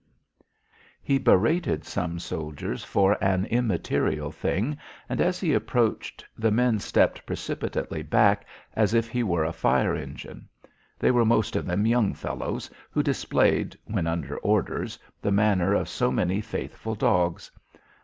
He berated some soldiers for an immaterial thing, and as he approached the men stepped precipitately back as if he were a fire engine. They were most of them young fellows, who displayed, when under orders, the manner of so many faithful dogs.